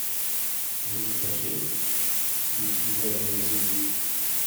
Vous vous fâchez ? dit une voix derrière Denise.